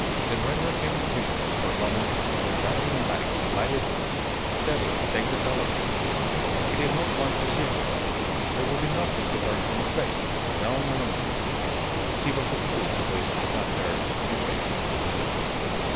It rendered him timorous for a moment before that enigmatic, lighted door. Devil take the fellow! He did not want to see him. There would be nothing to learn from his face, known or unknown. He was a fool to waste his time there in waiting.